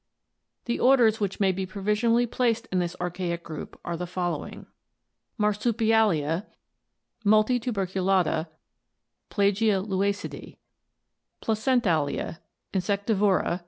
The orders which may be provisionally placed in this archaic group are the following: " Marsupialia Multituberculata, Plagiaulacidae Placentalia Insectivora.